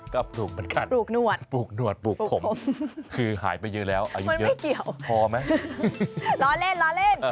ก็ปลูกเหมือนกันปลูกนวดปลูกผมคือหายไปเยอะแล้วอายุเยอะหรอพอมั้ยล้อเล่น